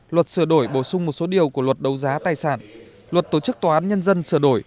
luật sửa đổi bổ sung một số điều của luật đấu giá tài sản luật tổ chức tòa án nhân dân sửa đổi